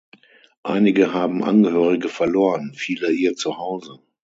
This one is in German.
Einige haben Angehörige verloren, viele ihr Zuhause.